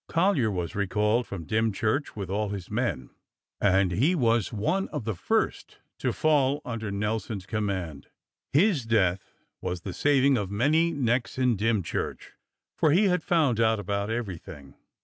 Collyer was recalled from DymcKurch with all his men, and he was one of the first to fall under Nelson's command. His death was the saving of many necks in Dymchurch, for he had found out about every thing.